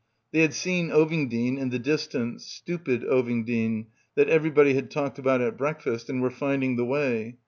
They had seen Ovingdean in the distance, stupid Ovingdean that everybody had talked about at breakfast, and were finding the way.